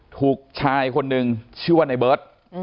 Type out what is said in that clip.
ถูกชายคนนึงชื่อว่าในเบิร์ต